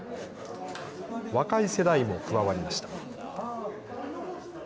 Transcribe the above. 若い世代も加わりました。